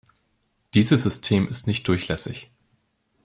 Dieses System ist nicht durchlässig.